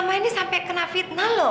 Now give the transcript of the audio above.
selama ini sampai kena fitnah loh